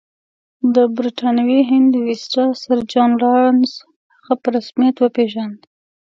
د برټانوي هند ویسرا سر جان لارنس هغه په رسمیت وپېژانده.